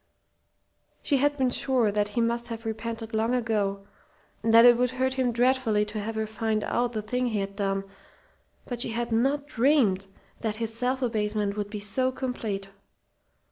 She had been sure that he must have repented long ago, and that it would hurt him dreadfully to have her find out the thing he had done, but she had not dreamed that his self abasement would be so complete.